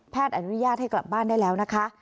อนุญาตให้กลับบ้านได้แล้วนะคะ